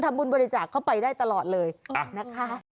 บุญบริจาคเข้าไปได้ตลอดเลยนะคะ